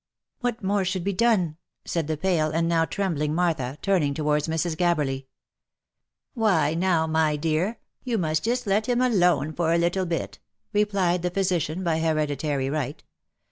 " What more should be done V* said the pale, and now trembling Martha, turning towards Mrs. Gabberly. " Why now, my clear, you must just let him alone for a little bit," replied the physician by hereditary right.